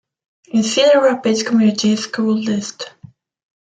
In Cedar Rapids Community School Dist.